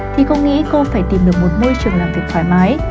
thì không nghĩ cô phải tìm được một môi trường làm việc thoải mái